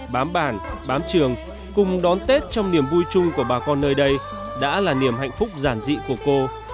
bám bản bám trường cùng đón tết trong niềm vui chung của bà con nơi đây đã là niềm hạnh phúc giản dị của cô